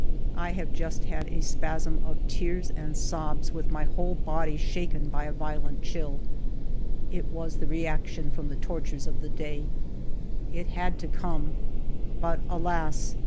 " I have just had a spasm of tears and sobs with my whole body shaken by a violent chill. It was the reaction from the tortures of the day. 54 FIVE YEARS OF MY LIFE It had to come. But, alas